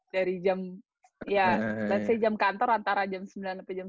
dari jam ya berarti jam kantor antara jam sembilan sampai jam sepuluh